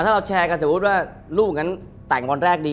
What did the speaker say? ถ้าเราแชร์กันสมมุติว่าลูกนั้นแต่งวันแรกดี